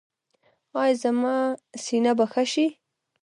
ایا زما سینه به ښه شي؟